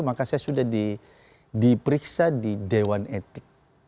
maka saya sudah diperiksa di dewan etik